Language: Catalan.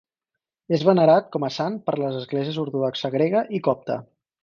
És venerat com a sant per les esglésies ortodoxa grega i copta.